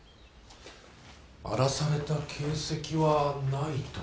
荒らされた形跡はないと。